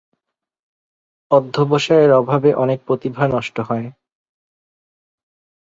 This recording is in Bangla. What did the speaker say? অধ্যবসায়ের অভাবে অনেক প্রতিভা নষ্ট হয়।